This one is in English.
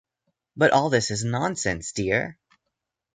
But all this is nonsense, dear!